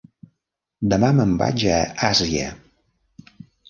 Demà me'n vaig a Àsia.